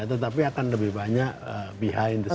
ya tetapi akan lebih banyak behind the scene